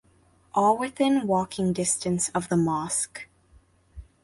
All within walking distance of the mosque.